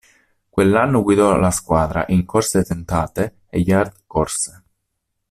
Quell'anno guidò la squadra in corse tentate e yard corse.